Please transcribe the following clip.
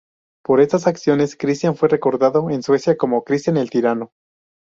Por estas acciones, Cristián fue recordado en Suecia como "Cristián el Tirano".